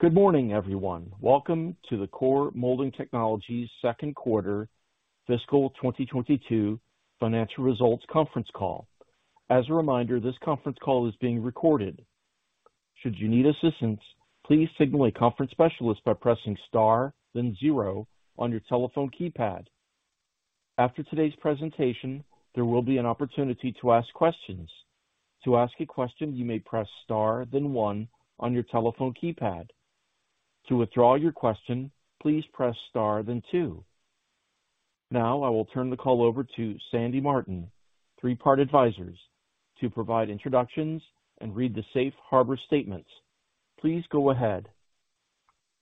Good morning, everyone. Welcome to the Core Molding Technologies second quarter fiscal 2022 financial results conference call. As a reminder, this conference call is being recorded. Should you need assistance, please signal a conference specialist by pressing star, then zero on your telephone keypad. After today's presentation, there will be an opportunity to ask questions. To ask a question, you may press star then one on your telephone keypad. To withdraw your question, please press star then two. Now I will turn the call over to Sandy Martin, Three Part Advisors, to provide introductions and read the safe harbor statements. Please go ahead.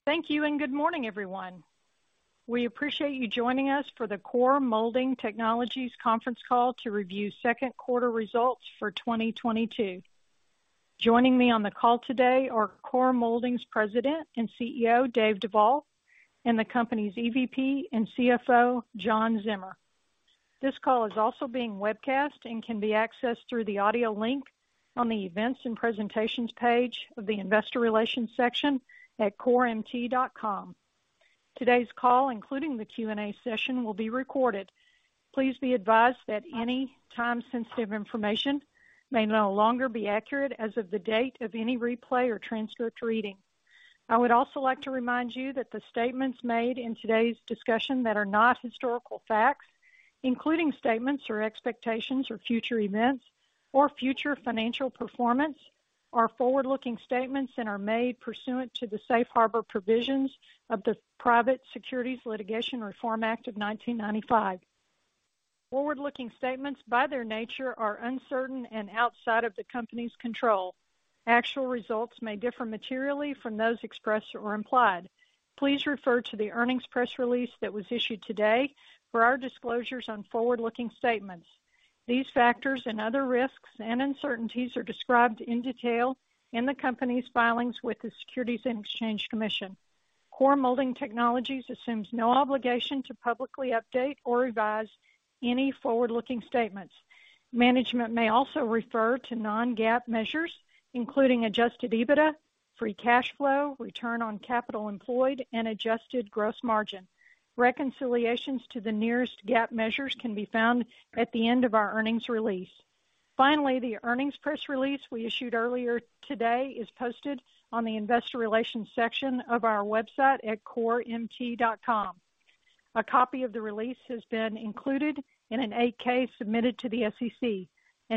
Thank you and good morning, everyone. We appreciate you joining us for the Core Molding Technologies conference call to review second quarter results for 2022. Joining me on the call today are Core Molding's President and CEO, Dave Duvall, and the company's EVP and CFO, John Zimmer. This call is also being webcast and can be accessed through the audio link on the Events and Presentations page of the investor relations section at coremt.com. Today's call, including the Q&A session, will be recorded. Please be advised that any time-sensitive information may no longer be accurate as of the date of any replay or transcript reading. I would also like to remind you that the statements made in today's discussion that are not historical facts, including statements or expectations or future events or future financial performance, are forward-looking statements and are made pursuant to the safe harbor provisions of the Private Securities Litigation Reform Act of 1995. Forward-looking statements, by their nature, are uncertain and outside of the company's control. Actual results may differ materially from those expressed or implied. Please refer to the earnings press release that was issued today for our disclosures on forward-looking statements. These factors and other risks and uncertainties are described in detail in the company's filings with the Securities and Exchange Commission. Core Molding Technologies assumes no obligation to publicly update or revise any forward-looking statements. Management may also refer to non-GAAP measures, including adjusted EBITDA, free cash flow, return on capital employed, and adjusted gross margin. Reconciliations to the nearest GAAP measures can be found at the end of our earnings release. Finally, the earnings press release we issued earlier today is posted on the investor relations section of our website at coremt.com. A copy of the release has been included in an 8-K submitted to the SEC.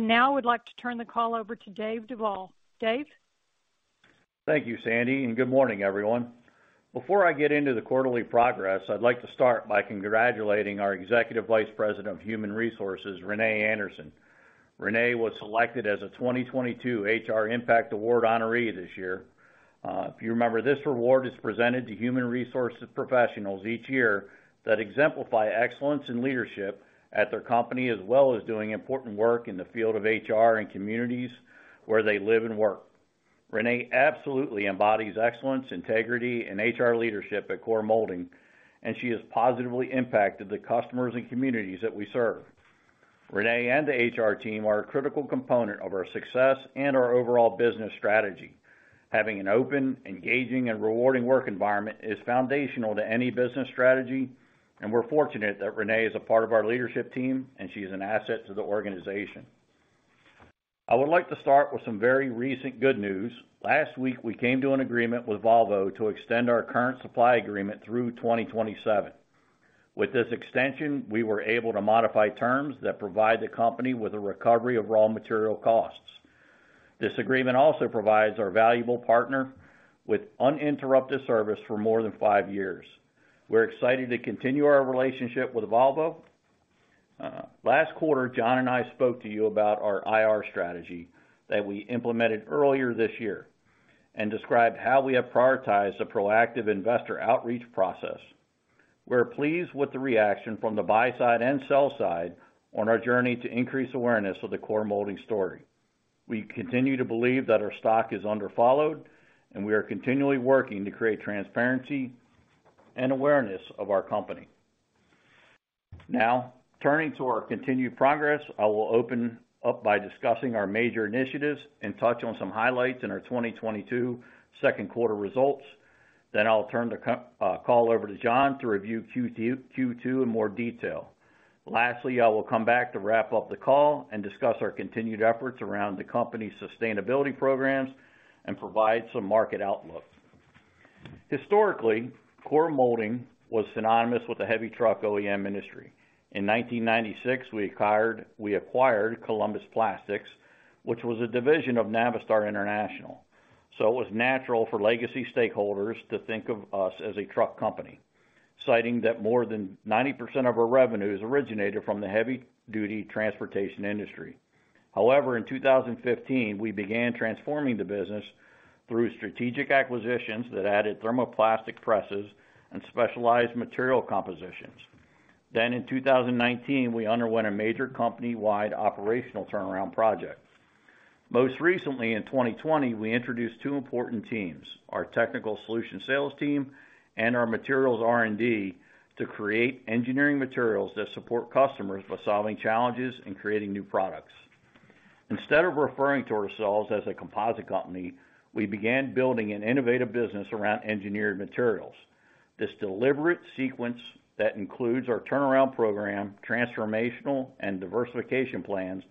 Now I would like to turn the call over to Dave Duvall. Dave? Thank you, Sandy, and good morning, everyone. Before I get into the quarterly progress, I'd like to start by congratulating our Executive Vice President of Human Resources, Renee Anderson. Renee was selected as a 2022 HR Impact Award honoree this year. If you remember, this award is presented to human resources professionals each year that exemplify excellence in leadership at their company, as well as doing important work in the field of HR and communities where they live and work. Renee absolutely embodies excellence, integrity, and HR leadership at Core Molding, and she has positively impacted the customers and communities that we serve. Renee and the HR team are a critical component of our success and our overall business strategy. Having an open, engaging, and rewarding work environment is foundational to any business strategy, and we're fortunate that Renee is a part of our leadership team, and she is an asset to the organization. I would like to start with some very recent good news. Last week, we came to an agreement with Volvo to extend our current supply agreement through 2027. With this extension, we were able to modify terms that provide the company with a recovery of raw material costs. This agreement also provides our valuable partner with uninterrupted service for more than five years. We're excited to continue our relationship with Volvo. Last quarter, John and I spoke to you about our IR strategy that we implemented earlier this year and described how we have prioritized a proactive investor outreach process. We're pleased with the reaction from the buy side and sell side on our journey to increase awareness of the Core Molding story. We continue to believe that our stock is underfollowed, and we are continually working to create transparency and awareness of our company. Now, turning to our continued progress, I will open up by discussing our major initiatives and touch on some highlights in our 2022 second quarter results. Then I'll turn the call over to John to review Q2 in more detail. Lastly, I will come back to wrap up the call and discuss our continued efforts around the company's sustainability programs and provide some market outlook. Historically, Core Molding was synonymous with the heavy truck OEM industry. In 1996, we acquired Columbus Plastics, which was a division of Navistar International. It was natural for legacy stakeholders to think of us as a truck company, citing that more than 90% of our revenues originated from the heavy-duty transportation industry. However, in 2015, we began transforming the business through strategic acquisitions that added thermoplastic presses and specialized material compositions. In 2019, we underwent a major company-wide operational turnaround project. Most recently, in 2020, we introduced two important teams, our technical solutions sales team and our materials R&D, to create engineering materials that support customers by solving challenges and creating new products. Instead of referring to ourselves as a composite company, we began building an innovative business around engineered materials. This deliberate sequence that includes our turnaround program, transformational and diversification plans,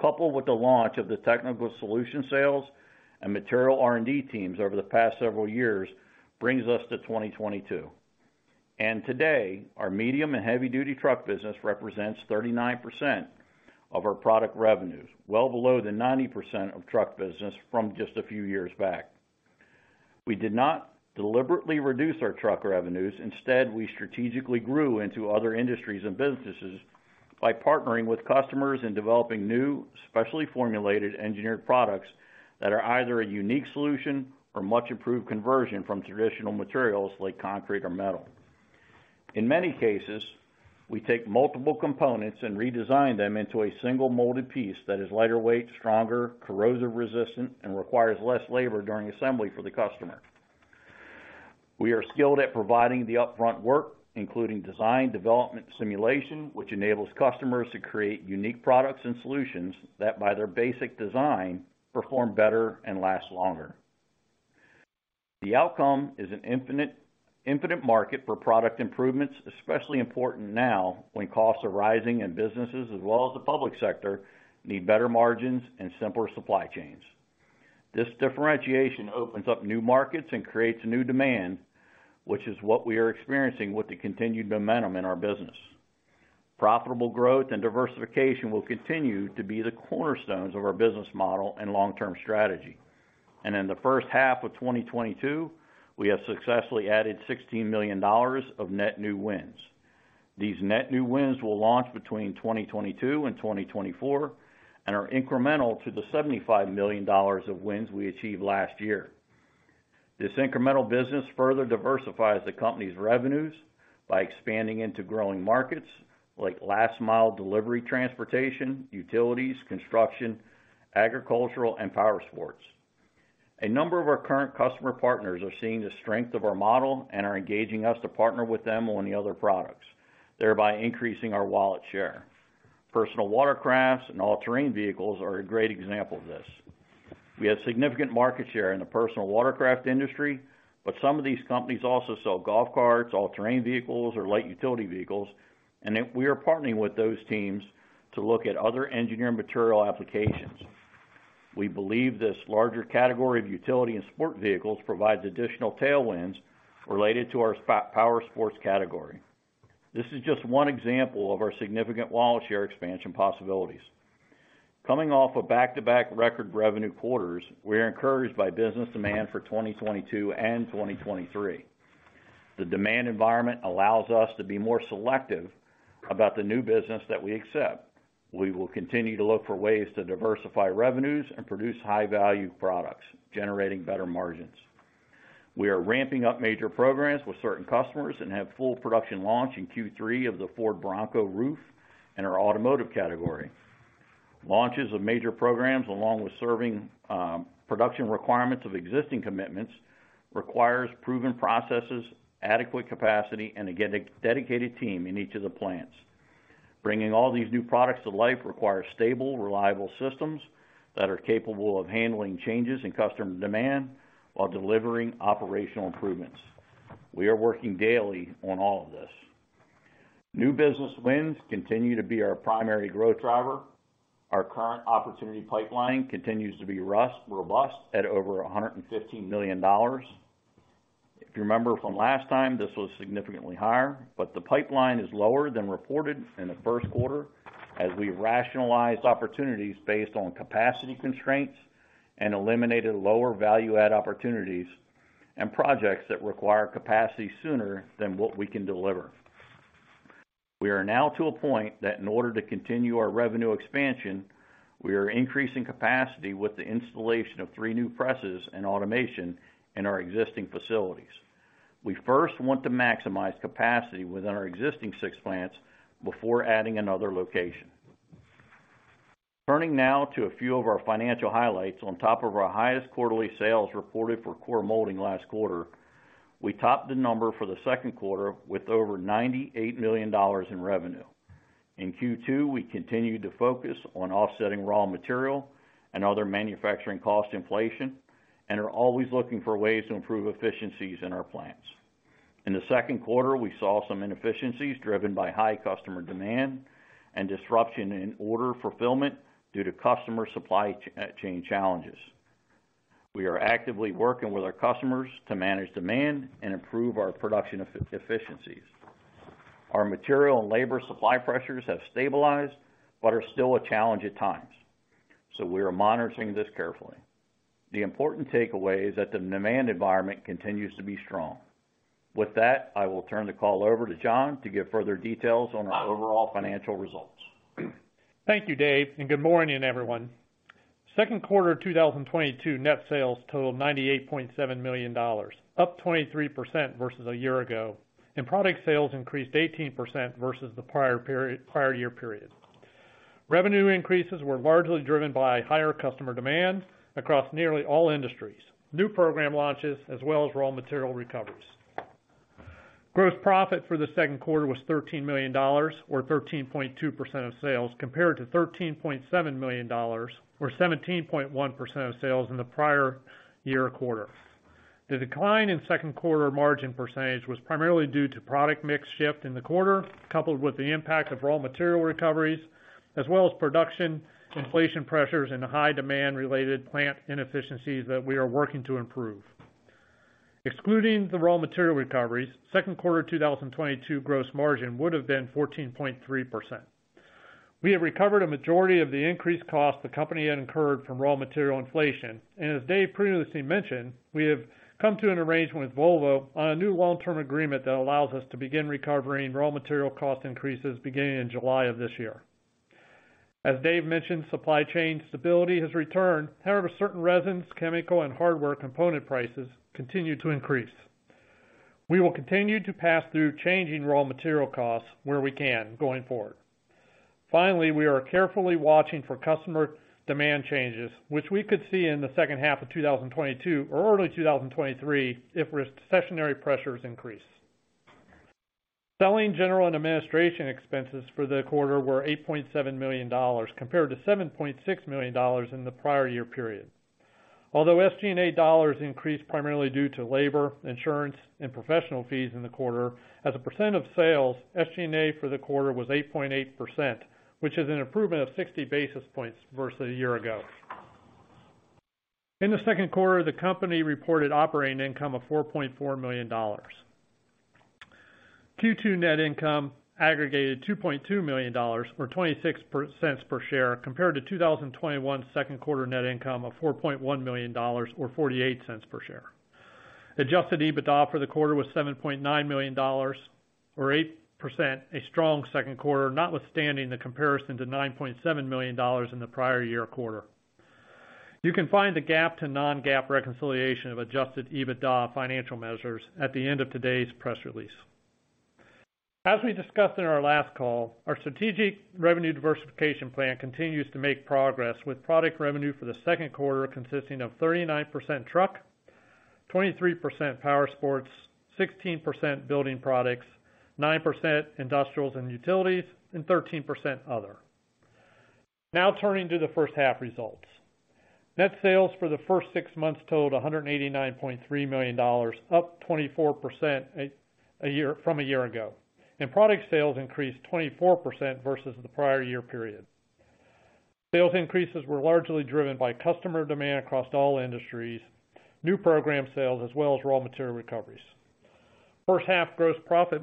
coupled with the launch of the technical solution sales and material R&D teams over the past several years, brings us to 2022. Today, our medium and heavy duty truck business represents 39% of our product revenues, well below the 90% of truck business from just a few years back. We did not deliberately reduce our truck revenues. Instead, we strategically grew into other industries and businesses by partnering with customers in developing new, specially formulated engineered products that are either a unique solution or much improved conversion from traditional materials like concrete or metal. In many cases, we take multiple components and redesign them into a single molded piece that is lighter weight, stronger, corrosive resistant, and requires less labor during assembly for the customer. We are skilled at providing the upfront work, including design, development, simulation, which enables customers to create unique products and solutions that, by their basic design, perform better and last longer. The outcome is an infinite market for product improvements, especially important now when costs are rising and businesses as well as the public sector need better margins and simpler supply chains. This differentiation opens up new markets and creates new demand, which is what we are experiencing with the continued momentum in our business. Profitable growth and diversification will continue to be the cornerstones of our business model and long-term strategy. In the first half of 2022, we have successfully added $16 million of net new wins. These net new wins will launch between 2022 and 2024, and are incremental to the $75 million of wins we achieved last year. This incremental business further diversifies the company's revenues by expanding into growing markets like last mile delivery transportation, utilities, construction, agricultural, and powersports. A number of our current customer partners are seeing the strength of our model and are engaging us to partner with them on the other products, thereby increasing our wallet share. Personal watercrafts and all-terrain vehicles are a great example of this. We have significant market share in the personal watercraft industry, but some of these companies also sell golf carts, all-terrain vehicles, or light utility vehicles, and then we are partnering with those teams to look at other engineering material applications. We believe this larger category of utility and sport vehicles provides additional tailwinds related to our powersports category. This is just one example of our significant wallet share expansion possibilities. Coming off of back-to-back record revenue quarters, we are encouraged by business demand for 2022 and 2023. The demand environment allows us to be more selective about the new business that we accept. We will continue to look for ways to diversify revenues and produce high value products, generating better margins. We are ramping up major programs with certain customers and have full production launch in Q3 of the Ford Bronco roof in our automotive category. Launches of major programs, along with serving production requirements of existing commitments, requires proven processes, adequate capacity, and a dedicated team in each of the plants. Bringing all these new products to life requires stable, reliable systems that are capable of handling changes in customer demand while delivering operational improvements. We are working daily on all of this. New business wins continue to be our primary growth driver. Our current opportunity pipeline continues to be robust at over $115 million. If you remember from last time, this was significantly higher, but the pipeline is lower than reported in the first quarter as we rationalized opportunities based on capacity constraints and eliminated lower value add opportunities and projects that require capacity sooner than what we can deliver. We are now to a point that in order to continue our revenue expansion, we are increasing capacity with the installation of three new presses and automation in our existing facilities. We first want to maximize capacity within our existing six plants before adding another location. Turning now to a few of our financial highlights. On top of our highest quarterly sales reported for Core Molding last quarter, we topped the number for the second quarter with over $98 million in revenue. In Q2, we continued to focus on offsetting raw material and other manufacturing cost inflation, and are always looking for ways to improve efficiencies in our plants. In the second quarter, we saw some inefficiencies driven by high customer demand and disruption in order fulfillment due to customer supply chain challenges. We are actively working with our customers to manage demand and improve our production efficiencies. Our material and labor supply pressures have stabilized, but are still a challenge at times. We are monitoring this carefully. The important takeaway is that the demand environment continues to be strong. With that, I will turn the call over to John to give further details on our overall financial results. Thank you, Dave, and good morning, everyone. Second quarter 2022 net sales totaled $98.7 million, up 23% versus a year ago. Product sales increased 18% versus the prior period, prior year period. Revenue increases were largely driven by higher customer demand across nearly all industries, new program launches, as well as raw material recoveries. Gross profit for the second quarter was $13 million, or 13.2% of sales, compared to $13.7 million, or 17.1% of sales in the prior year quarter. The decline in second quarter margin percentage was primarily due to product mix shift in the quarter, coupled with the impact of raw material recoveries, as well as production, inflation pressures and high demand-related plant inefficiencies that we are working to improve. Excluding the raw material recoveries, second quarter 2022 gross margin would have been 14.3%. We have recovered a majority of the increased cost the company had incurred from raw material inflation. as Dave previously mentioned, we have come to an arrangement with Volvo on a new long-term agreement that allows us to begin recovering raw material cost increases beginning in July of this year. As Dave mentioned, supply chain stability has returned. However, certain resins, chemical and hardware component prices continue to increase. We will continue to pass through changing raw material costs where we can, going forward. Finally, we are carefully watching for customer demand changes, which we could see in the second half of 2022 or early 2023 if recessionary pressures increase. Selling, general, and administration expenses for the quarter were $8.7 million compared to $7.6 million in the prior year period. Although SG&A dollars increased primarily due to labor, insurance, and professional fees in the quarter, as a percent of sales, SG&A for the quarter was 8.8%, which is an improvement of 60 basis points versus a year ago. In the second quarter, the company reported operating income of $4.4 million. Q2 net income aggregated $2.2 million or $0.26 per share compared to 2021 second quarter net income of $4.1 million or $0.48 per share. Adjusted EBITDA for the quarter was $7.9 million or 8%, a strong second quarter notwithstanding the comparison to $9.7 million in the prior year quarter. You can find the GAAP to non-GAAP reconciliation of adjusted EBITDA financial measures at the end of today's press release. As we discussed in our last call, our strategic revenue diversification plan continues to make progress with product revenue for the second quarter consisting of 39% truck, 23% powersports, 16% building products, 9% industrials and utilities, and 13% other. Now turning to the first half results. Net sales for the first six months totaled $189.3 million, up 24% from a year ago. Product sales increased 24% versus the prior year period. Sales increases were largely driven by customer demand across all industries, new program sales, as well as raw material recoveries. First half gross profit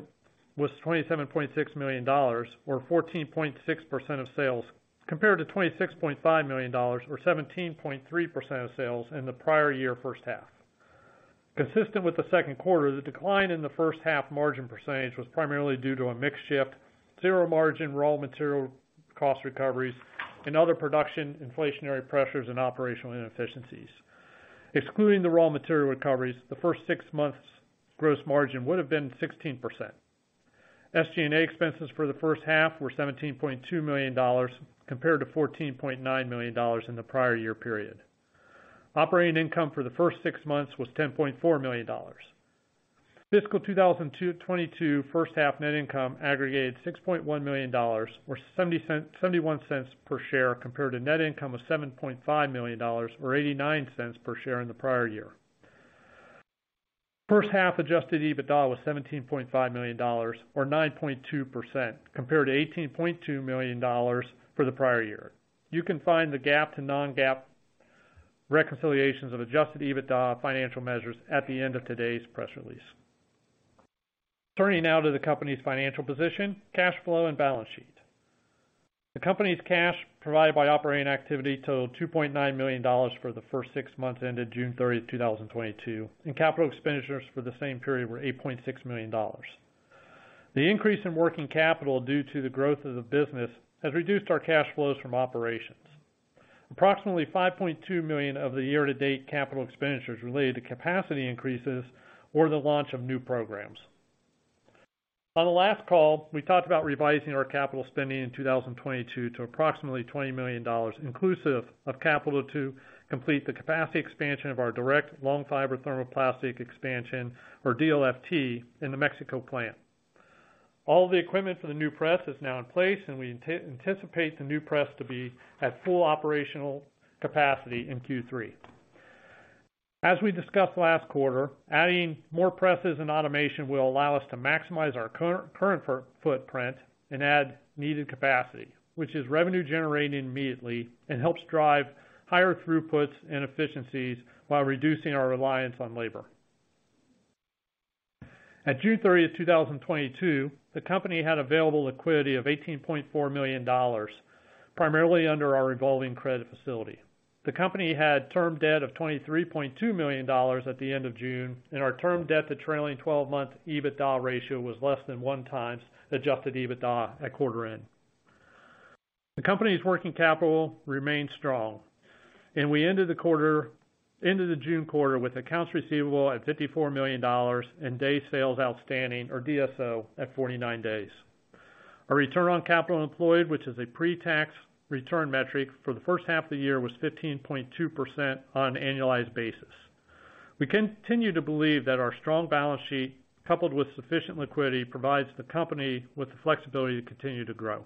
was $27.6 million or 14.6% of sales, compared to $26.5 million or 17.3% of sales in the prior year first half. Consistent with the second quarter, the decline in the first half margin percentage was primarily due to a mix shift, zero margin raw material cost recoveries, and other production inflationary pressures and operational inefficiencies. Excluding the raw material recoveries, the first six months gross margin would have been 16%. SG&A expenses for the first half were $17.2 million compared to $14.9 million in the prior year period. Operating income for the first six months was $10.4 million. Fiscal 2022 first half net income aggregated $6.1 million or $0.71 per share compared to net income of $7.5 million or $0.89 per share in the prior year. First half adjusted EBITDA was $17.5 million or 9.2%, compared to $18.2 million for the prior year. You can find the GAAP to non-GAAP reconciliations of adjusted EBITDA financial measures at the end of today's press release. Turning now to the company's financial position, cash flow and balance sheet. The company's cash provided by operating activity totaled $2.9 million for the first six months ended June 30, 2022, and capital expenditures for the same period were $8.6 million. The increase in working capital due to the growth of the business has reduced our cash flows from operations. Approximately $5.2 million of the year-to-date capital expenditures related to capacity increases or the launch of new programs. On the last call, we talked about revising our capital spending in 2022 to approximately $20 million inclusive of capital to complete the capacity expansion of our direct long fiber thermoplastic expansion or DLFT in the Mexico plant. All the equipment for the new press is now in place, and we anticipate the new press to be at full operational capacity in Q3. As we discussed last quarter, adding more presses and automation will allow us to maximize our current footprint and add needed capacity, which is revenue generating immediately and helps drive higher throughputs and efficiencies while reducing our reliance on labor. At June 30, 2022, the company had available liquidity of $18.4 million, primarily under our revolving credit facility. The company had term debt of $23.2 million at the end of June, and our term debt to trailing 12-month EBITDA ratio was less than 1x adjusted EBITDA at quarter end. The company's working capital remains strong, and we ended the June quarter with accounts receivable at $54 million and days sales outstanding, or DSO, at 49 days. Our return on capital employed, which is a pretax return metric for the first half of the year, was 15.2% on an annualized basis. We continue to believe that our strong balance sheet, coupled with sufficient liquidity, provides the company with the flexibility to continue to grow.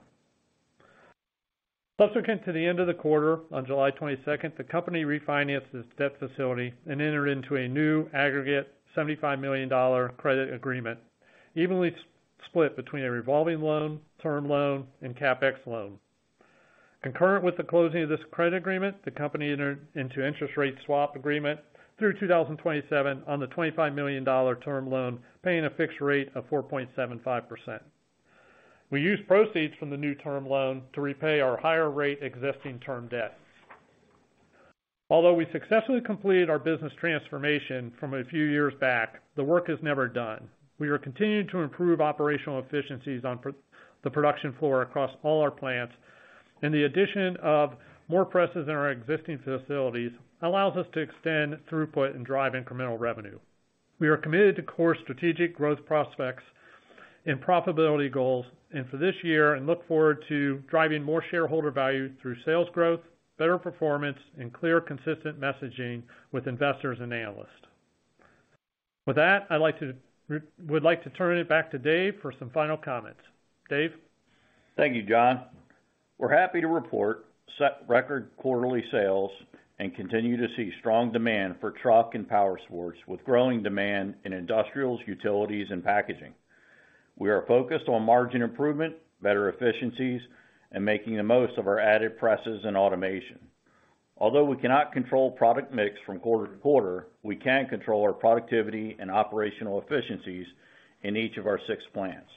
Subsequent to the end of the quarter, on July 22, the company refinanced its debt facility and entered into a new aggregate $75 million credit agreement, evenly split between a revolving loan, term loan, and CapEx loan. Concurrent with the closing of this credit agreement, the company entered into interest rate swap agreement through 2027 on the $25 million term loan, paying a fixed rate of 4.75%. We used proceeds from the new term loan to repay our higher rate existing term debt. Although we successfully completed our business transformation from a few years back, the work is never done. We are continuing to improve operational efficiencies on the production floor across all our plants, and the addition of more presses in our existing facilities allows us to extend throughput and drive incremental revenue. We are committed to Core's strategic growth prospects and profitability goals, and for this year and look forward to driving more shareholder value through sales growth, better performance, and clear, consistent messaging with investors and analysts. With that, I'd like to turn it back to Dave for some final comments. Dave? Thank you, John. We're happy to report set record quarterly sales and continue to see strong demand for truck and powersports with growing demand in industrials, utilities, and packaging. We are focused on margin improvement, better efficiencies, and making the most of our added presses and automation. Although we cannot control product mix from quarter to quarter, we can control our productivity and operational efficiencies in each of our six plants.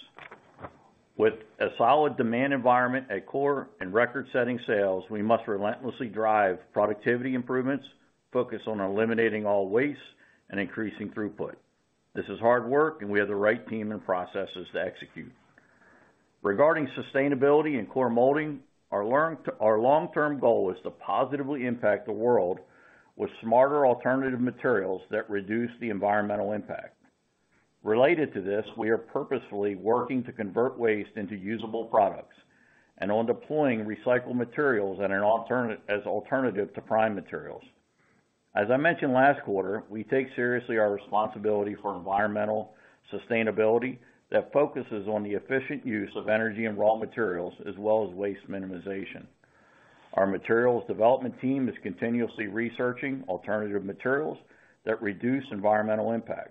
With a solid demand environment at Core and record-setting sales, we must relentlessly drive productivity improvements, focus on eliminating all waste, and increasing throughput. This is hard work, and we have the right team and processes to execute. Regarding sustainability in Core Molding, our long-term goal is to positively impact the world with smarter alternative materials that reduce the environmental impact. Related to this, we are purposefully working to convert waste into usable products and on deploying recycled materials and an alternative to prime materials. As I mentioned last quarter, we take seriously our responsibility for environmental sustainability that focuses on the efficient use of energy and raw materials as well as waste minimization. Our materials development team is continuously researching alternative materials that reduce environmental impact.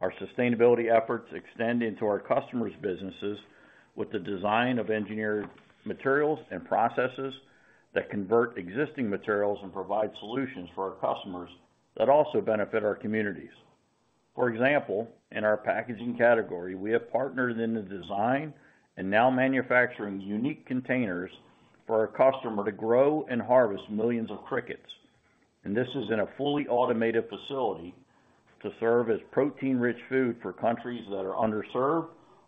Our sustainability efforts extend into our customers' businesses with the design of engineered materials and processes that convert existing materials and provide solutions for our customers that also benefit our communities. For example, in our packaging category, we have partnered in the design and now manufacturing unique containers for our customer to grow and harvest millions of crickets. This is in a fully automated facility to serve as protein-rich food for countries that are underserved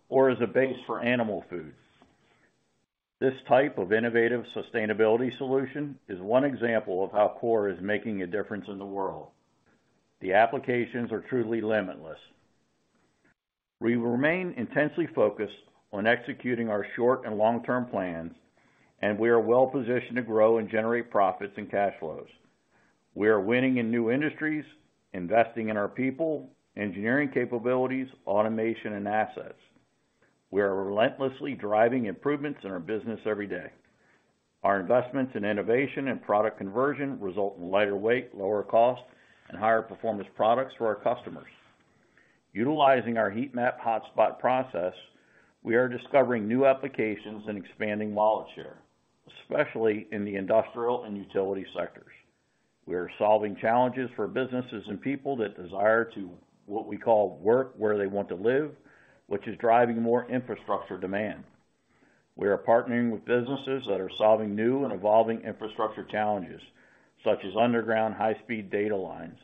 or as a base for animal foods. This type of innovative sustainability solution is one example of how Core is making a difference in the world. The applications are truly limitless. We remain intensely focused on executing our short and long-term plans, and we are well positioned to grow and generate profits and cash flows. We are winning in new industries, investing in our people, engineering capabilities, automation, and assets. We are relentlessly driving improvements in our business every day. Our investments in innovation and product conversion result in lighter weight, lower cost, and higher performance products for our customers. Utilizing our heat map hotspot process, we are discovering new applications and expanding wallet share, especially in the industrial and utility sectors. We are solving challenges for businesses and people that desire to, what we call, work where they want to live, which is driving more infrastructure demand. We are partnering with businesses that are solving new and evolving infrastructure challenges, such as underground high-speed data lines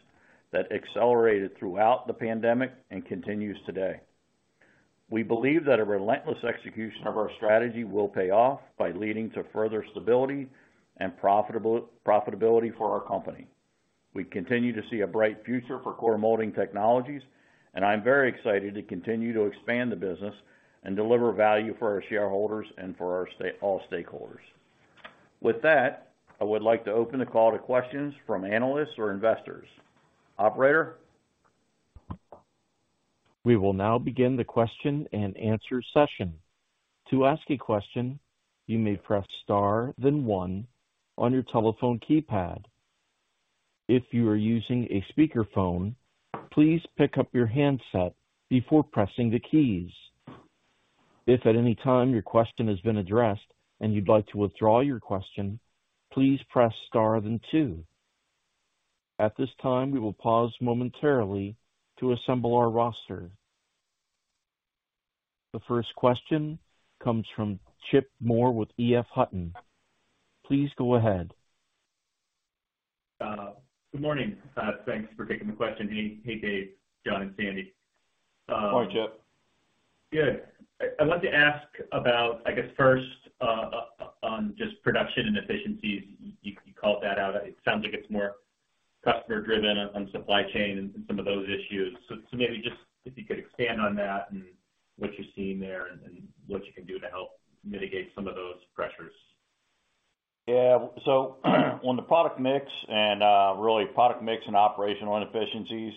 that accelerated throughout the pandemic and continues today. We believe that a relentless execution of our strategy will pay off by leading to further stability and profitability for our company. We continue to see a bright future for Core Molding Technologies, and I'm very excited to continue to expand the business and deliver value for our shareholders and for all stakeholders. With that, I would like to open the call to questions from analysts or investors. Operator? We will now begin the question-and-answer session. To ask a question, you may press star then one on your telephone keypad. If you are using a speakerphone, please pick up your handset before pressing the keys. If at any time your question has been addressed and you'd like to withdraw your question, please press star then two. At this time, we will pause momentarily to assemble our roster. The first question comes from Chip Moore with EF Hutton. Please go ahead. Good morning. Thanks for taking the question. Hey, Dave, John, and Sandy. Good morning, Chip. Good. I wanted to ask about, I guess, first, on just production and efficiencies. You called that out. It sounds like it's more customer driven on supply chain and some of those issues. So maybe just if you could expand on that and what you're seeing there and what you can do to help mitigate some of those pressures. Yeah. On the product mix and really product mix and operational inefficiencies,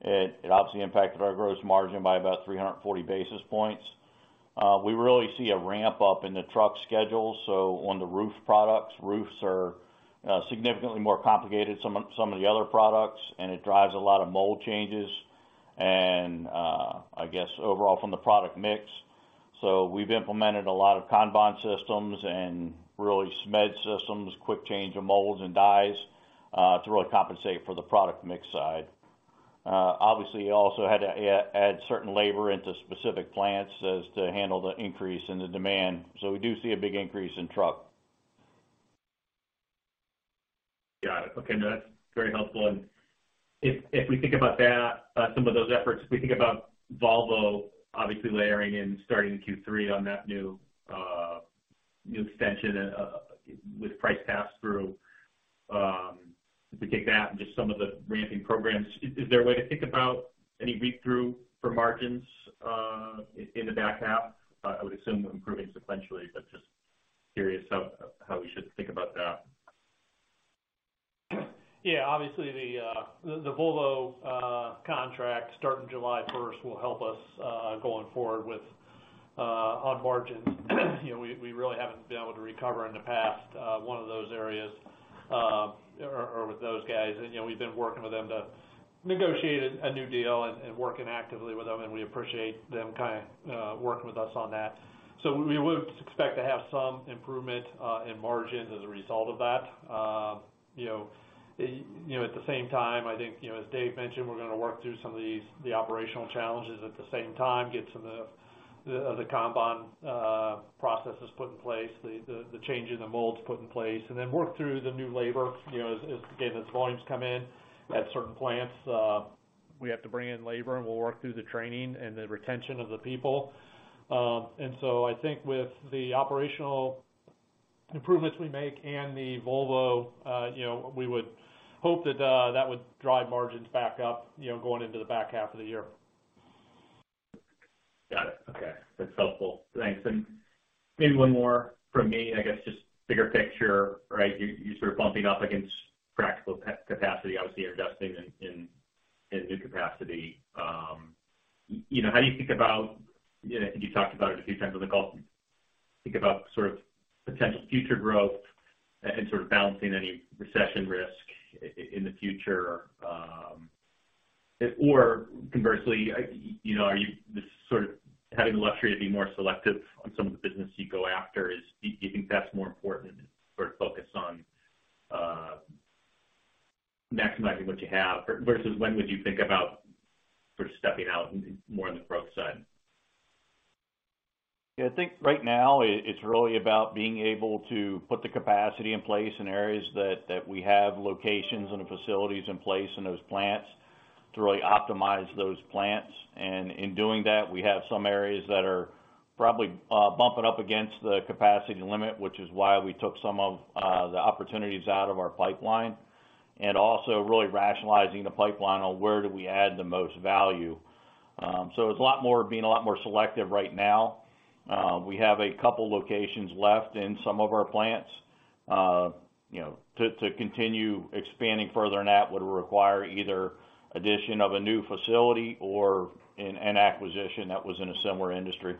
it obviously impacted our gross margin by about 340 basis points. We really see a ramp up in the truck schedule. On the roof products, roofs are significantly more complicated than some of the other products, and it drives a lot of mold changes and I guess overall from the product mix. We've implemented a lot of kanban systems and really SMED systems, quick change of molds and dies, to really compensate for the product mix side. Obviously, you also had to add certain labor into specific plants in order to handle the increase in the demand. We do see a big increase in truck. Got it. Okay, no, that's very helpful. If we think about that, some of those efforts, if we think about Volvo obviously layering in starting in Q3 on that new extension, with price pass-through, if we take that and just some of the ramping programs, is there a way to think about any read-through for margins in the back half? I would assume improving sequentially, but just curious how we should think about that. Yeah. Obviously, the Volvo contract starting July first will help us going forward with our margin. You know, we really haven't been able to recover in the past one of those areas, or with those guys. You know, we've been working with them to negotiate a new deal and working actively with them, and we appreciate them kind of working with us on that. We would expect to have some improvement in margins as a result of that. You know, at the same time, I think, you know, as Dave mentioned, we're gonna work through some of these, the operational challenges at the same time, get some of the kanban processes put in place, the changes in the molds put in place, and then work through the new labor, you know, as again as volumes come in at certain plants, we have to bring in labor, and we'll work through the training and the retention of the people. I think with the operational improvements we make and the Volvo, you know, we would hope that that would drive margins back up, you know, going into the back half of the year. Got it. Okay, that's helpful. Thanks. Maybe one more from me, I guess, just bigger picture, right? You're sort of bumping up against practical capacity, obviously, you're investing in new capacity. You know, how do you think about, you know, I think you talked about it a few times on the call, think about sort of potential future growth and sort of balancing any recession risk in the future. Or conversely, you know, are you just sort of having the luxury to be more selective on some of the business you go after? Do you think that's more important to sort of focus on maximizing what you have versus when would you think about sort of stepping out more on the growth side? Yeah, I think right now it's really about being able to put the capacity in place in areas that we have locations and the facilities in place in those plants to really optimize those plants. In doing that, we have some areas that are probably bumping up against the capacity limit, which is why we took some of the opportunities out of our pipeline, and also really rationalizing the pipeline on where do we add the most value. It's a lot more being a lot more selective right now. We have a couple locations left in some of our plants. You know, to continue expanding further than that would require either addition of a new facility or an acquisition that was in a similar industry.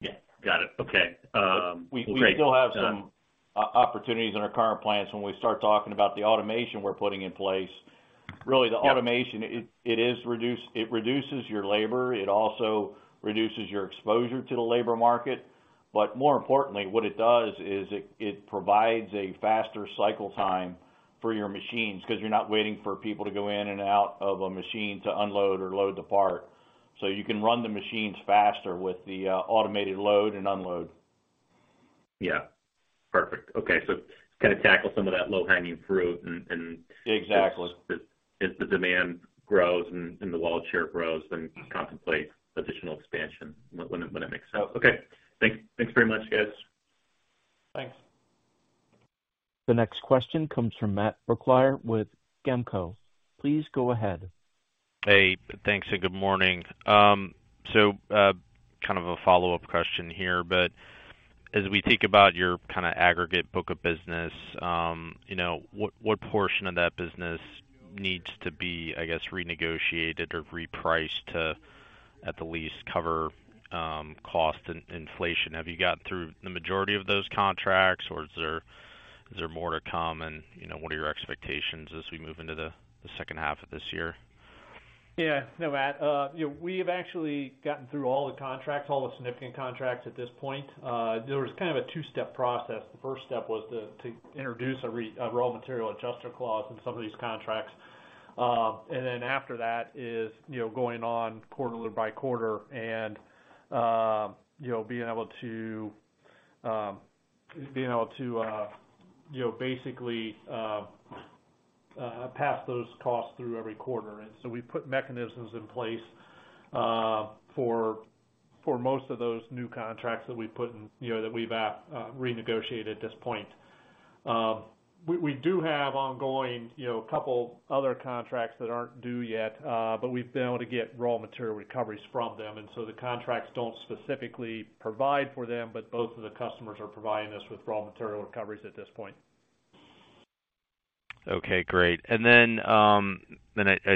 Yeah. Got it. Okay. Great. We still have some opportunities in our current plants when we start talking about the automation we're putting in place. Really, the automation. Yeah. It reduces your labor. It also reduces your exposure to the labor market. More importantly, what it does is it provides a faster cycle time for your machines 'cause you're not waiting for people to go in and out of a machine to unload or load the part. You can run the machines faster with the automated load and unload. Yeah. Perfect. Okay. Kind of tackle some of that low-hanging fruit and Exactly. If the demand grows and the wallet share grows, then contemplate additional expansion when it makes sense. Okay. Thanks. Thanks very much, guys. Thanks. The next question comes from Matt Adelhardt with GAMCO. Please go ahead. Hey, thanks and good morning. Kind of a follow-up question here, but as we think about your kind of aggregate book of business, you know, what portion of that business needs to be, I guess, renegotiated or repriced to at the least cover cost and inflation? Have you gotten through the majority of those contracts, or is there more to come? You know, what are your expectations as we move into the second half of this year? Yeah. No, Matt, you know, we have actually gotten through all the contracts, all the significant contracts at this point. There was kind of a two-step process. The first step was to introduce a raw material adjuster clause in some of these contracts. After that is, you know, going on quarter by quarter and, you know, being able to, you know, basically. Pass those costs through every quarter. We've put mechanisms in place for most of those new contracts that we've put in, you know, that we've renegotiated at this point. We do have ongoing, you know, a couple other contracts that aren't due yet, but we've been able to get raw material recoveries from them. The contracts don't specifically provide for them, but both of the customers are providing us with raw material recoveries at this point. Okay, great. I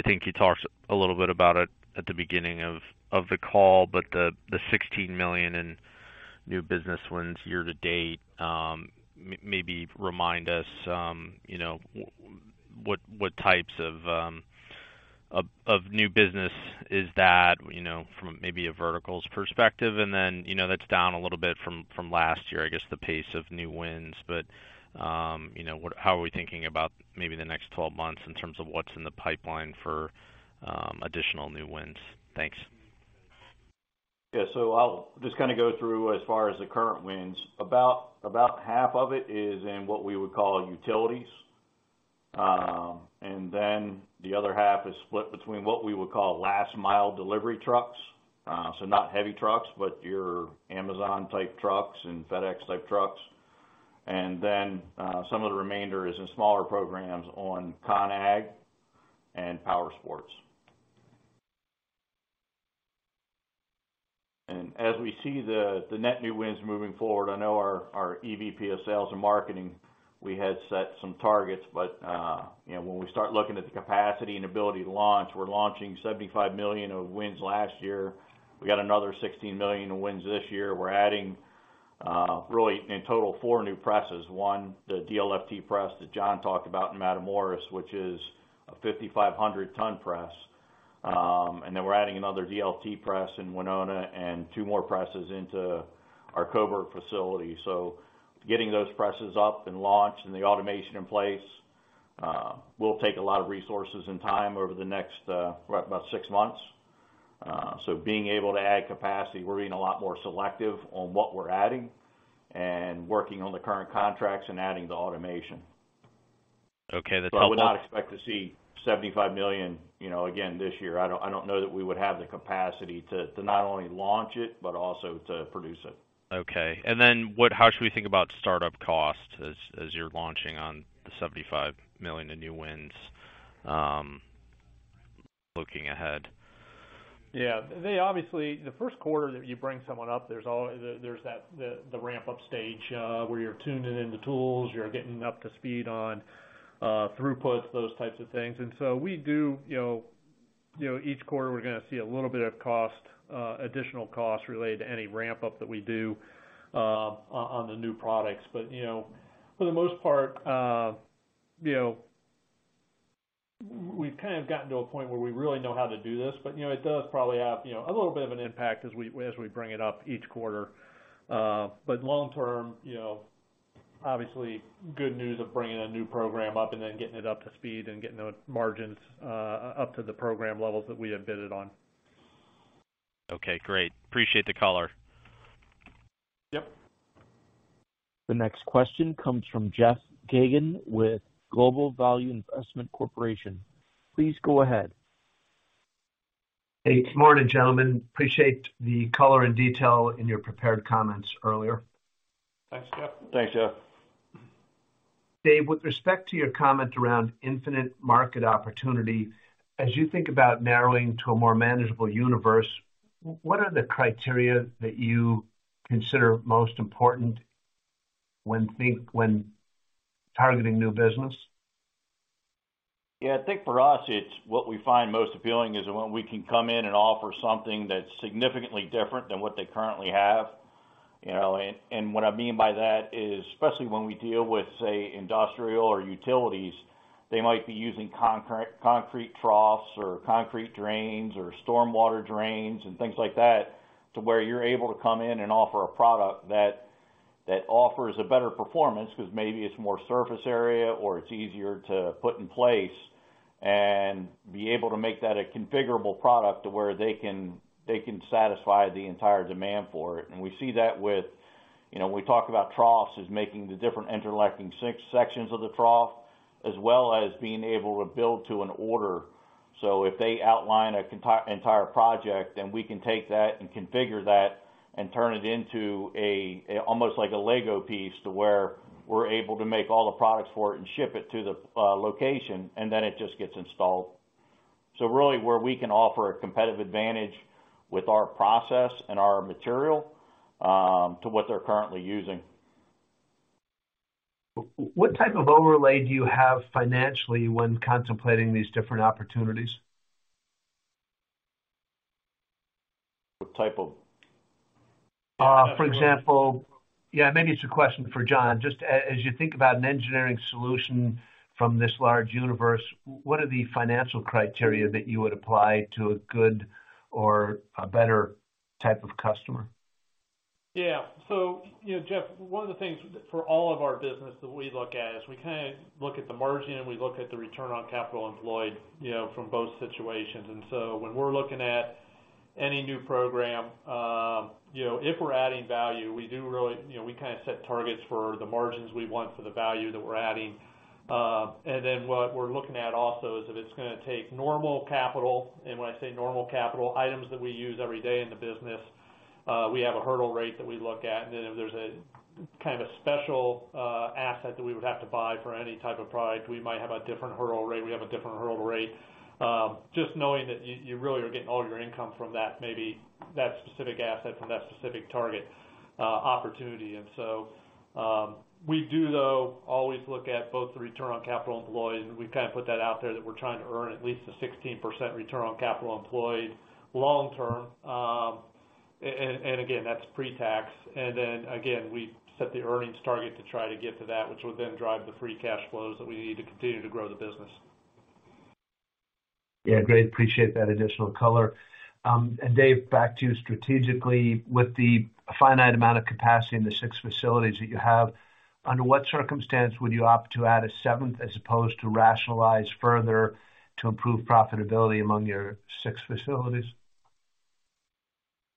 think you talked a little bit about it at the beginning of the call, but the $16 million in new business wins year to date, maybe remind us, you know, what types of new business is that, you know, from maybe a verticals perspective. That's down a little bit from last year, I guess, the pace of new wins. You know, what. How are we thinking about maybe the next 12 months in terms of what's in the pipeline for additional new wins? Thanks. Yeah. I'll just kinda go through as far as the current wins. About half of it is in what we would call utilities. Then the other half is split between what we would call last mile delivery trucks. Not heavy trucks, but your Amazon type trucks and FedEx type trucks. Some of the remainder is in smaller programs on con-ag and power sports. As we see the net new wins moving forward, I know our EVP of sales and marketing, we had set some targets. You know, when we start looking at the capacity and ability to launch, we're launching $75 million of wins last year. We got another $16 million in wins this year. We're adding really in total four new presses. One, the DLFT press that John talked about in Matamoros, which is a 5,500-ton press. We're adding another DLFT press in Winona and two more presses into our Coburg facility. Getting those presses up and launched and the automation in place will take a lot of resources and time over the next about six months. Being able to add capacity, we're being a lot more selective on what we're adding and working on the current contracts and adding the automation. Okay. That's helpful. I would not expect to see $75 million, you know, again this year. I don't know that we would have the capacity to not only launch it, but also to produce it. Okay. How should we think about startup costs as you're launching on the $75 million in new wins, looking ahead? Yeah. They obviously. The first quarter that you bring someone up, there's that, the ramp-up stage, where you're tuning in the tools, you're getting up to speed on throughputs, those types of things. We do, you know, each quarter, we're gonna see a little bit of cost, additional costs related to any ramp-up that we do, on the new products. You know, for the most part, you know, we've kind of gotten to a point where we really know how to do this. You know, it does probably have, you know, a little bit of an impact as we bring it up each quarter. Long term, you know, obviously good news of bringing a new program up and then getting it up to speed and getting the margins up to the program levels that we have bid it on. Okay, great. Appreciate the color. Yep. The next question comes from Jeff Geygan with Global Value Investment Corporation. Please go ahead. Hey, good morning, gentlemen. Appreciate the color and detail in your prepared comments earlier. Thanks, Jeff. Thanks, Jeff. Dave, with respect to your comment around infinite market opportunity, as you think about narrowing to a more manageable universe, what are the criteria that you consider most important when targeting new business? Yeah. I think for us, it's what we find most appealing is when we can come in and offer something that's significantly different than what they currently have, you know. What I mean by that is, especially when we deal with, say, industrial or utilities, they might be using concrete troughs or concrete drains or stormwater drains and things like that, to where you're able to come in and offer a product that offers a better performance because maybe it's more surface area or it's easier to put in place and be able to make that a configurable product to where they can satisfy the entire demand for it. We see that with, you know, when we talk about troughs, is making the different interlocking sections of the trough, as well as being able to build to an order. If they outline an entire project, then we can take that and configure that and turn it into a almost like a Lego piece, to where we're able to make all the products for it and ship it to the location, and then it just gets installed. Really where we can offer a competitive advantage with our process and our material to what they're currently using. What type of overlay do you have financially when contemplating these different opportunities? What type of For example, yeah, maybe it's a question for John. Just as you think about an engineering solution from this large universe, what are the financial criteria that you would apply to a good or a better type of customer? Yeah. You know, Jeff, one of the things for all of our business that we look at is we kinda look at the margin and we look at the return on capital employed, you know, from both situations. When we're looking at any new program, you know, if we're adding value, we do really, you know, we kinda set targets for the margins we want for the value that we're adding. What we're looking at also is if it's gonna take normal capital, and when I say normal capital, items that we use every day in the business, we have a hurdle rate that we look at. If there's a kind of special asset that we would have to buy for any type of product, we have a different hurdle rate. Just knowing that you really are getting all your income from that, maybe that specific asset from that specific target opportunity. We do, though, always look at both the return on capital employed, and we've kind of put that out there, that we're trying to earn at least a 16% return on capital employed long term. Again, that's pretax. Again, we set the earnings target to try to get to that, which would then drive the free cash flows that we need to continue to grow the business. Yeah, great. Appreciate that additional color. Dave, back to you strategically, with the finite amount of capacity in the six facilities that you have, under what circumstance would you opt to add a seventh as opposed to rationalize further to improve profitability among your six facilities?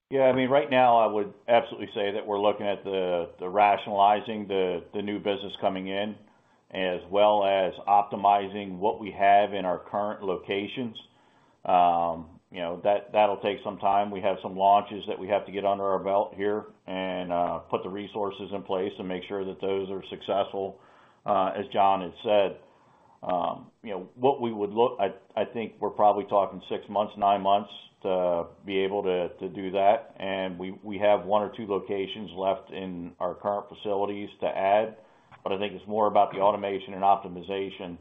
Yeah, I mean, right now I would absolutely say that we're looking at rationalizing the new business coming in, as well as optimizing what we have in our current locations. You know, that'll take some time. We have some launches that we have to get under our belt here and put the resources in place and make sure that those are successful. As John had said, you know, I think we're probably talking six months, nine months to be able to do that. We have one or two locations left in our current facilities to add. I think it's more about the automation and optimization.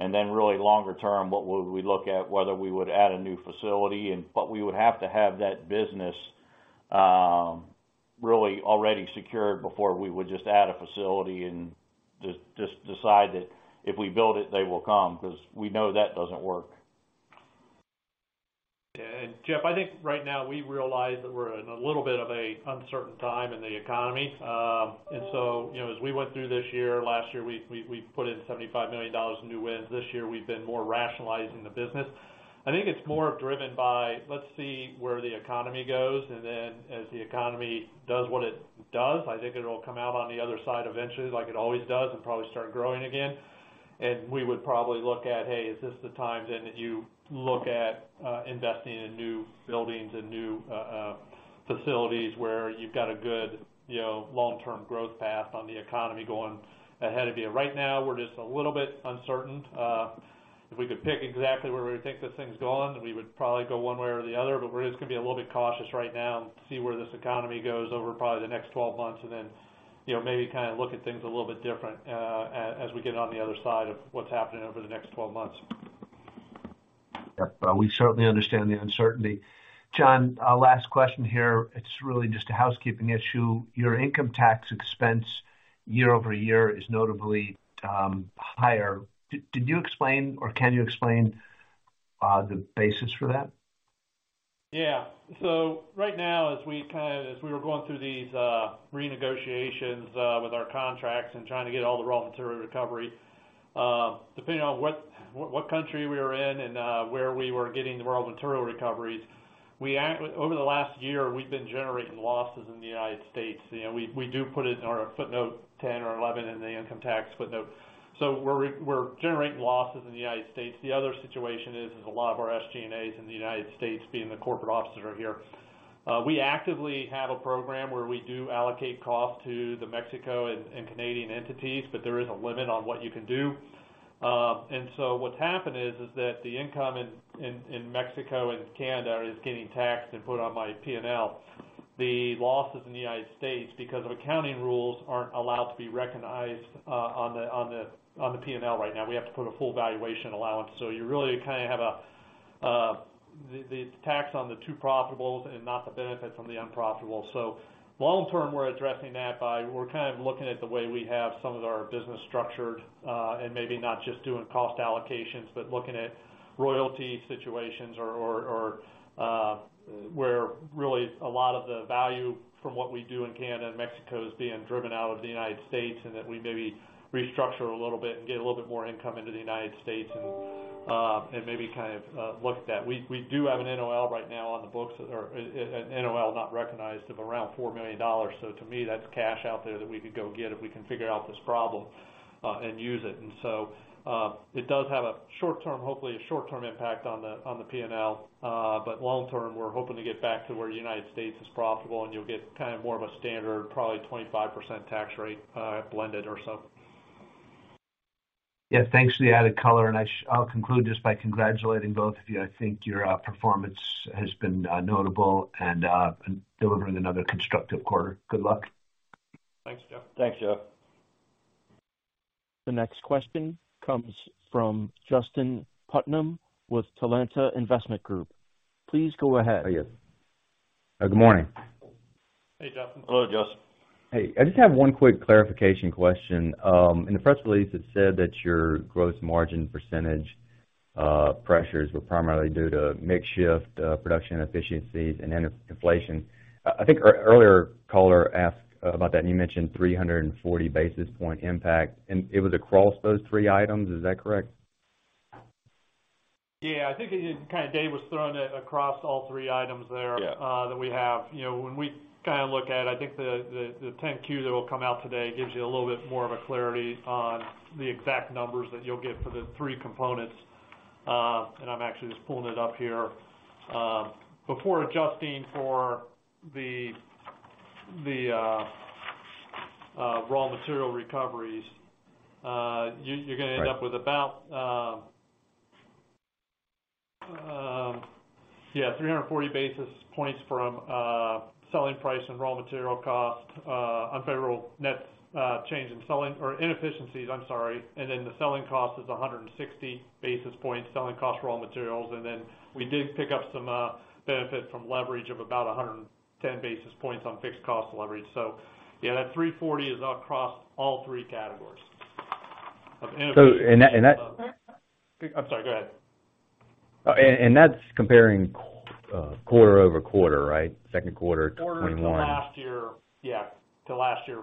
Really longer term, what would we look at whether we would add a new facility, but we would have to have that business really already secured before we would just add a facility and just decide that if we build it, they will come, because we know that doesn't work. Yeah. Jeff, I think right now we realize that we're in a little bit of an uncertain time in the economy. You know, as we went through this year, last year, we put in $75 million in new wins. This year, we've been more rationalizing the business. I think it's more driven by let's see where the economy goes, and then as the economy does what it does, I think it'll come out on the other side eventually, like it always does, and probably start growing again. We would probably look at, hey, is this the time then that you look at investing in new buildings and new facilities where you've got a good, you know, long-term growth path on the economy going ahead of you? Right now, we're just a little bit uncertain. If we could pick exactly where we think this thing's going, we would probably go one way or the other. We're just gonna be a little bit cautious right now and see where this economy goes over probably the next 12 months and then, you know, maybe kind of look at things a little bit different, as we get on the other side of what's happening over the next 12 months. Yeah. We certainly understand the uncertainty. John, last question here. It's really just a housekeeping issue. Your income tax expense year-over-year is notably higher. Did you explain or can you explain the basis for that? Yeah. Right now, as we were going through these renegotiations with our contracts and trying to get all the raw material recovery, depending on what country we were in and where we were getting the raw material recoveries, over the last year, we've been generating losses in the United States. You know, we do put it in our footnote 10 or 11 in the income tax footnote. We're generating losses in the United States. The other situation is a lot of our SG&A in the United States being the corporate offices are here. We actively have a program where we do allocate cost to the Mexico and Canadian entities, but there is a limit on what you can do. What's happened is that the income in Mexico and Canada is getting taxed and put on my P&L. The losses in the United States, because of accounting rules, aren't allowed to be recognized on the P&L right now. We have to put a full valuation allowance. You really kinda have the tax on the two profitables and not the benefits on the unprofitable. Long term, we're addressing that by we're kind of looking at the way we have some of our business structured, and maybe not just doing cost allocations, but looking at royalty situations or where really a lot of the value from what we do in Canada and Mexico is being driven out of the United States, and that we maybe restructure a little bit and get a little bit more income into the United States, and maybe kind of look at that. We do have an NOL right now on the books or an NOL not recognized of around $4 million. To me, that's cash out there that we could go get if we can figure out this problem, and use it. It does have a short-term impact on the P&L. But long term, we're hoping to get back to where the United States is profitable and you'll get kind of more of a standard, probably 25% tax rate, blended or so. Yeah. Thanks for the added color. I'll conclude just by congratulating both of you. I think your performance has been notable and delivering another constructive quarter. Good luck. Thanks, Jeff. Thanks, Jeff. The next question comes from Justyn Putnam with Talanta Investment Group. Please go ahead. Oh, yes. Good morning. Hey, Justyn. Hello, Justyn. Hey, I just have one quick clarification question. In the press release, it said that your gross margin percentage pressures were primarily due to mix shift, production efficiencies and then inflation. I think earlier caller asked about that, and you mentioned 340 basis point impact, and it was across those three items. Is that correct? Yeah, I think it kind of, Dave was throwing it across all three items there. Yeah That we have. You know, when we kind of look at, I think the 10-Q that will come out today gives you a little bit more of a clarity on the exact numbers that you'll get for the three components. I'm actually just pulling it up here. Before adjusting for the raw material recoveries, you're gonna end up with about 340 basis points from selling price and raw material costs on favorable nets change in selling price or inefficiencies, I'm sorry. The selling cost is 160 basis points, selling cost, raw materials. We did pick up some benefit from leverage of about 110 basis points on fixed cost leverage. Yeah, that 340 is across all three categories of inefficiencies. So and that, and that- I'm sorry, go ahead. That's comparing quarter-over-quarter, right? Second quarter 2021. Quarter to last year. Yeah, to last year,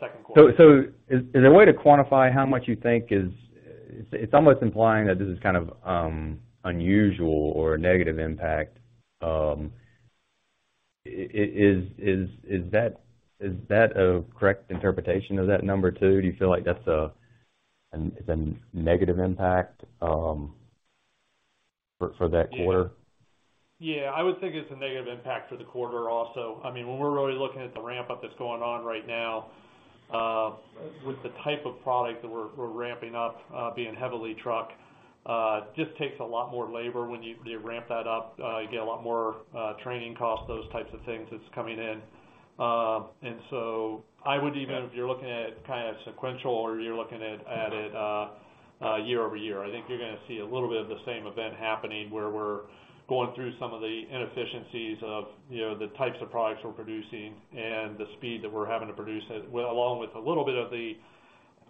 second quarter. Is there a way to quantify how much you think is. It's almost implying that this is kind of unusual or a negative impact. Is that a correct interpretation of that number too? Do you feel like it's a negative impact for that quarter? Yeah. I would think it's a negative impact for the quarter also. I mean, when we're really looking at the ramp up that's going on right now, with the type of product that we're ramping up, being heavily truck, just takes a lot more labor. When you ramp that up, you get a lot more training costs, those types of things that's coming in. And so I would even if you're looking at kind of sequential or you're looking at it, year over year, I think you're gonna see a little bit of the same event happening where we're going through some of the inefficiencies of, you know, the types of products we're producing and the speed that we're having to produce it. Well, along with a little bit of the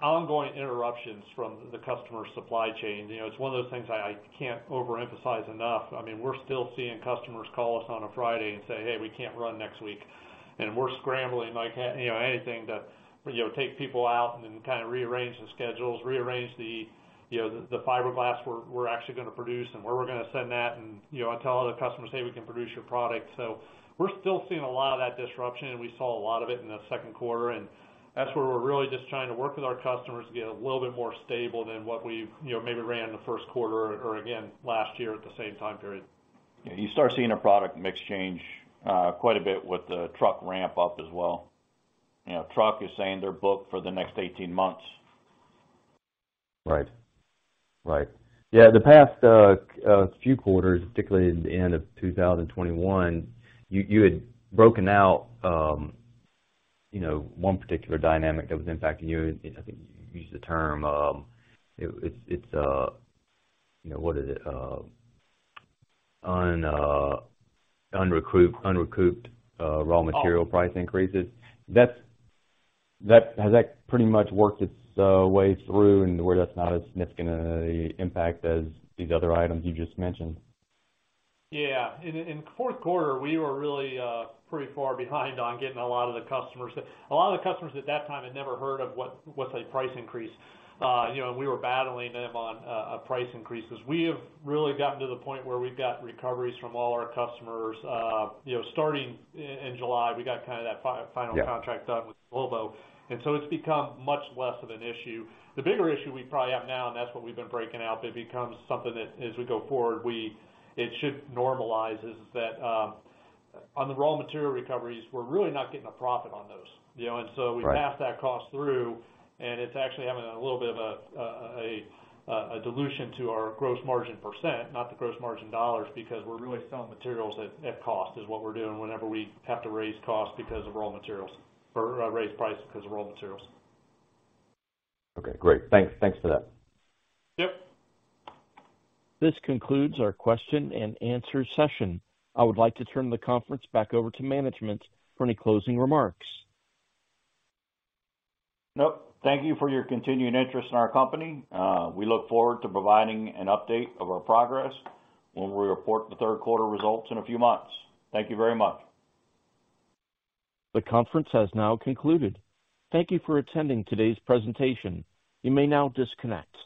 ongoing interruptions from the customer supply chain. You know, it's one of those things I can't overemphasize enough. I mean, we're still seeing customers call us on a Friday and say, "Hey, we can't run next week." We're scrambling like hell, you know, anything to, you know, take people out and then kind of rearrange the schedules, you know, the fiberglass we're actually gonna produce and where we're gonna send that. You know, tell other customers, "Hey, we can produce your product." We're still seeing a lot of that disruption, and we saw a lot of it in the second quarter, and that's where we're really just trying to work with our customers to get a little bit more stable than what we've, you know, maybe ran in the first quarter or again last year at the same time period. Yeah. You start seeing a product mix change quite a bit with the truck ramp up as well. You know, truck is saying they're booked for the next 18 months. Right. Right. Yeah, the past few quarters, particularly the end of 2021, you had broken out you know, one particular dynamic that was impacting you. I think you used the term what is it? Unrecouped raw material price increases. Has that pretty much worked its way through and where that's not as significant of a impact as these other items you just mentioned? Yeah. In the fourth quarter, we were really pretty far behind on getting a lot of the customers. A lot of the customers at that time had never heard of what's a price increase. You know, and we were battling them on price increases. We have really gotten to the point where we've got recoveries from all our customers. You know, starting in July, we got kind of that final contract done with Volvo, and so it's become much less of an issue. The bigger issue we probably have now, and that's what we've been breaking out, but it becomes something that as we go forward, it should normalize, is that on the raw material recoveries, we're really not getting a profit on those, you know? We pass that cost through, and it's actually having a little bit of a dilution to our gross margin percent, not the gross margin dollars, because we're really selling materials at cost, is what we're doing whenever we have to raise costs because of raw materials or raise price because of raw materials. Okay, great. Thanks. Thanks for that. Yep. This concludes our question and answer session. I would like to turn the conference back over to management for any closing remarks. Nope. Thank you for your continuing interest in our company. We look forward to providing an update of our progress when we report the third quarter results in a few months. Thank you very much. The conference has now concluded. Thank you for attending today's presentation. You may now disconnect.